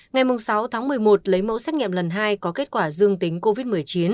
ngày sáu tháng một mươi một lấy mẫu xét nghiệm lần hai có kết quả dương tính covid một mươi chín